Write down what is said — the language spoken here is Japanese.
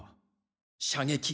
射撃。